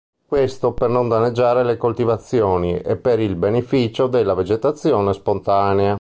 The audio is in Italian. Questo per non danneggiare le coltivazioni e per il beneficio della vegetazione spontanea.